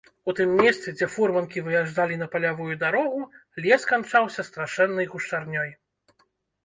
У тым месцы, дзе фурманкі выязджалі на палявую дарогу, лес канчаўся страшэннай гушчарнёй.